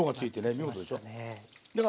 見事でしょ。